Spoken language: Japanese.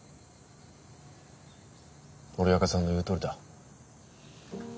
森若さんの言うとおりだ。